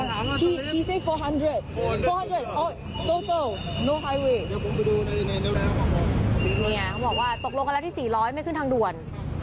เขาบอกว่าตกลงกันแล้วที่๔๐๐ไม่ขึ้นทางด่วน